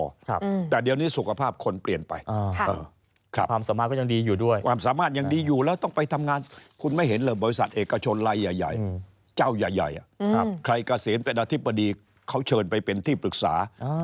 เจ้าใหญ่ใครเกษียณเป็นอธิบดีเขาเชิญไปเป็นที่ปรึกษา